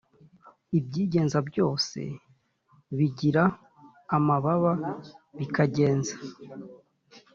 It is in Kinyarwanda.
ibyigenza byose bigira amababa bikagenza